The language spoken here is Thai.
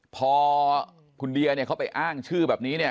พอคุณเดียเนี่ยเขาไปอ้างชื่อแบบนี้เนี่ย